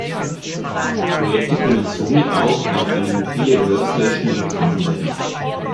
Projekte können somit auch auf eine mobile Workstation übertragen werden.